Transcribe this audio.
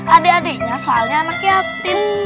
adek adeknya soalnya anak yatim